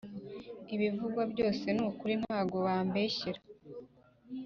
Ibivugwa byose nikuri ntago bambeshyera